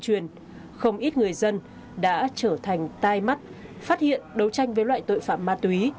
truyền không ít người dân đã trở thành tai mắt phát hiện đấu tranh với loại tội phạm ma túy